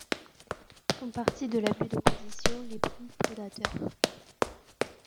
Font partie de l'abus de position les prix prédateurs.